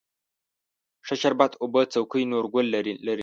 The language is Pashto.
ښه شربت اوبه څوکۍ، نورګل لرلې